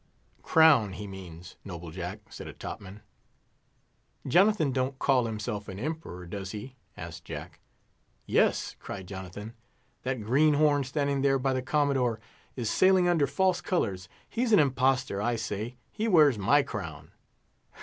"Crown, he means, noble Jack," said a top man. "Jonathan don't call himself an Emperor, does he?" asked Jack. "Yes," cried Jonathan; "that greenhorn, standing there by the Commodore, is sailing under false colours; he's an impostor, I say; he wears my crown."